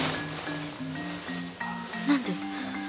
何で？